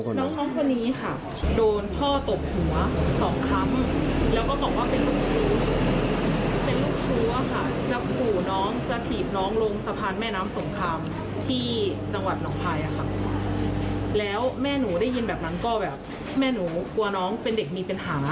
เป็นโรคซึมเศร้าแม่หนูก็เลยกลับไป